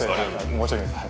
・申し訳ないです。